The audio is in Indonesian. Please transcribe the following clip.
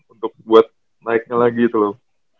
untuk buat naiknya lagi gitu loh